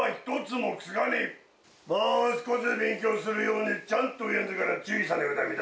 もう少し勉強するようにちゃんと親父から注意せねばダメだ。